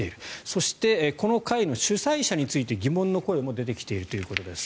そしてこの会の主催者について疑問の声も出てきているということです。